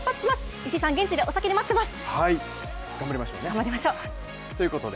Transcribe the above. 石井さん、現地でお先に待ってます！